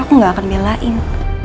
aku gak akan milahin